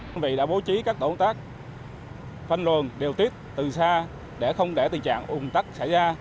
quân vị đã bố trí các tổ hợp phân luồng điều tiết từ xa để không để tình trạng hùn tắc xảy ra